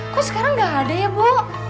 kok sekarang udah ada ya bu